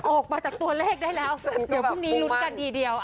ออกมาจากตัวเลขได้แล้วเดี๋ยวพรุ่งนี้ลุ้นกันทีเดียว